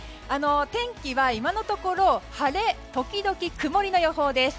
天気は今のところ晴れ時々曇りの予報です。